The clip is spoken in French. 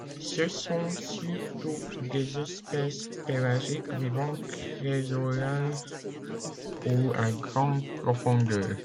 Ce sont surtout des espèces pélagiques vivant très au large ou à grande profondeur.